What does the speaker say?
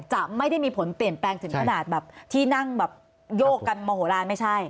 จะไม่ได้มีผลเปลี่ยนแปลงถึงขนาดแบบที่นั่งแบบโยกกันมโหลานไม่ใช่